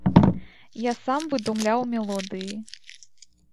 Я сам выдумляў мелодыі.